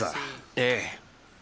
ええ。